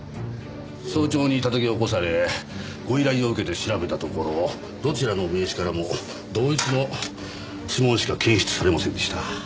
早朝に叩き起こされご依頼を受けて調べたところどちらの名刺からも同一の指紋しか検出されませんでした。